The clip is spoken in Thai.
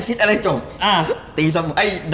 ขุมล่ปอด